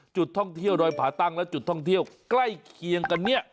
จุดท่องเที่ยวดอยผาตั้งและจุดท่องเที่ยวใกล้เคียงกันเนี่ย